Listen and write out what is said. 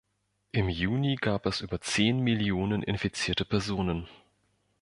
Im Juni gab es über zehn Millionen infizierte Personen.